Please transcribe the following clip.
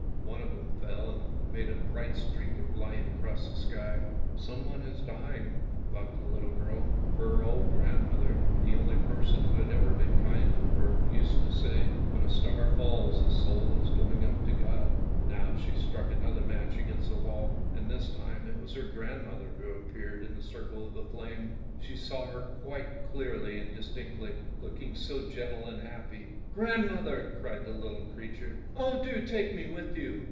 One of them fell and made a bright streak of light across the sky. " Some one is dying," thought the little girl; for her old grandmother, the only person 144 ANDERSEN'S FAIRY TALES who had ever been kind to her, used to say, " When a star falls a soul is going up to God." Now she struck another match against the wall, and this time it was her grandmother who appeared in the circle of flame. She saw her quite clearly and distinctly, looking so gentle and happy. " Grandmother! " cried the little creature. " Oh, do take me with you!